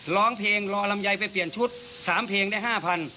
ร้องเพลงรอลำใยไปเปลี่ยนชุดสามเพลงได้ห้าพัน